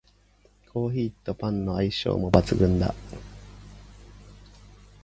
コーヒーとパンの相性も抜群だ